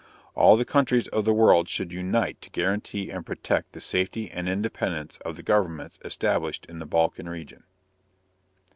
All the countries of the world should unite to guarantee and protect the safety and independence of the governments established in the Balkan region.